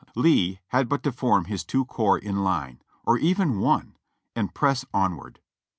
Lee had but to form his two corps in line — or even one — and press onward.